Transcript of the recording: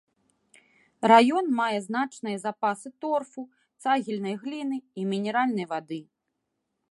Раён мае значныя запасы торфу, цагельнай гліны і мінеральнай вады.